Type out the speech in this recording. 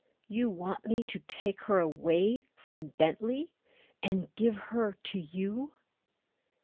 "You want me to take her away from Bentley and give her to you?"